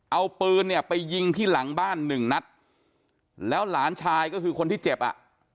เอาปืนเนี่ยไปยิงที่หลังบ้านหนึ่งนัดแล้วหลานชายก็คือคนที่เจ็บอ่ะ